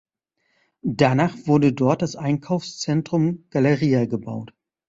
Danach wurde dort das Einkaufszentrum "Galeria" gebaut.